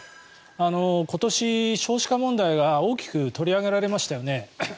今年、少子化問題が大きく取り上げられましたよね。